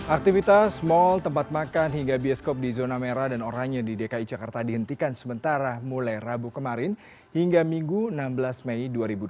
aktivitas mal tempat makan hingga bioskop di zona merah dan oranye di dki jakarta dihentikan sementara mulai rabu kemarin hingga minggu enam belas mei dua ribu dua puluh